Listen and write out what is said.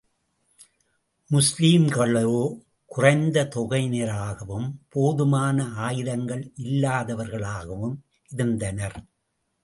முஸ்லிம்களோ, குறைந்த தொகையினராகவும், போதுமான ஆயுதங்கள் இல்லாதவர்களாயும் இருந்தனர்.